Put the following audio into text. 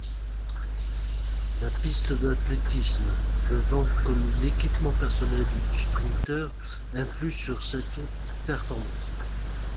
La piste d'athlétisme, le vent comme l'équipement personnel du sprinteur influent sur ses performances.